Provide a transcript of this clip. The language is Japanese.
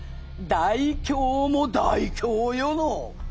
大凶も大凶よの。